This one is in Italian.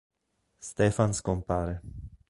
Stefan scompare.